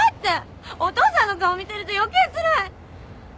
お父さんの顔見てると余計つらい！